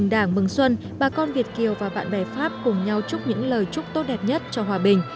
mừng đảng mừng xuân bà con việt kiều và bạn bè pháp cùng nhau chúc những lời chúc tốt đẹp nhất cho hòa bình